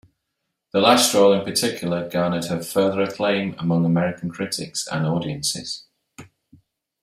The last role in particular garnered her further acclaim among American critics and audiences.